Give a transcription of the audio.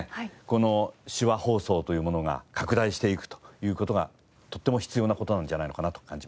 この手話放送というものが拡大していくという事がとっても必要な事なんじゃないのかなと感じました。